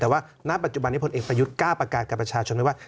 แต่ว่าณปัจจุบันนี้พลเอกประยุทธ์กล้าประกาศกับประชาชนไว้ว่า